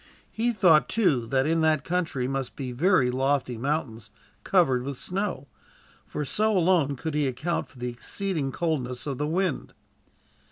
He thought, too, that in that country must be very lofty mountains, covered with snow; for so alone could he account for the exceeding coldness of the wind.